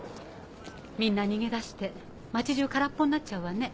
みんな逃げ出して町じゅう空っぽになっちゃうわね。